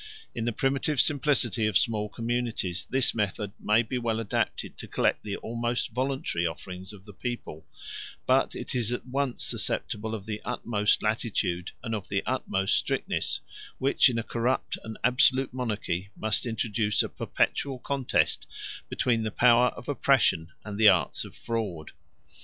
In the primitive simplicity of small communities, this method may be well adapted to collect the almost voluntary offerings of the people; but it is at once susceptible of the utmost latitude, and of the utmost strictness, which in a corrupt and absolute monarchy must introduce a perpetual contest between the power of oppression and the arts of fraud.